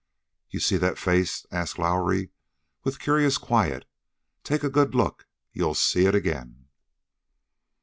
"You see that face?" asked Lowrie with curious quiet. "Take a good look. You'll see it ag'in."